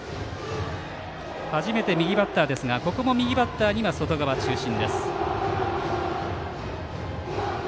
初めて右バッターですがここも右バッターには外側中心。